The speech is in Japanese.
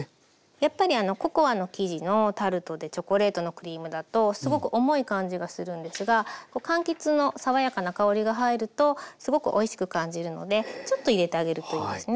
やっぱりココアの生地のタルトでチョコレートのクリームだとすごく重い感じがするんですが柑橘の爽やかな香りが入るとすごくおいしく感じるのでちょっと入れてあげるといいですね。